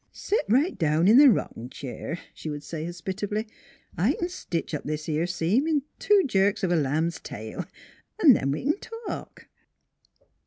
" Set right down in th' rockin' cheer," she would say hospitably. " I c'n stitch up this 'ere seam in two jerks of a lamb's tail, then we c'n talk."